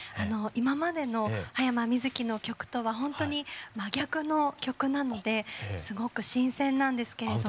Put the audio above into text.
今までの羽山みずきの曲とはほんとに真逆の曲なのですごく新鮮なんですけれども。